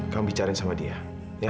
kamu bicarain sama dia